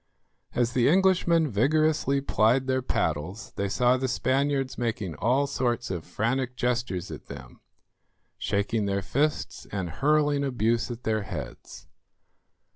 As the Englishmen vigorously plied their paddles they saw the Spaniards making all sorts of frantic gestures at them, shaking their fists and hurling abuse at their heads.